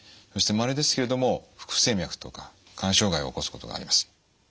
そしてまれですけれども不整脈とか肝障害を起こすことがあります。